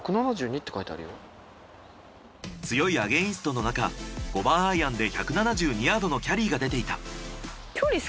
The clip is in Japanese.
強いアゲインストのなか５番アイアンで１７２ヤードのキャリーが出ていた。